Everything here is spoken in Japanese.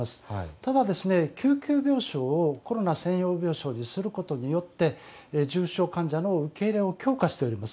ただ、救急病床をコロナ専用病床にすることによって重症患者の受け入れを強化しております。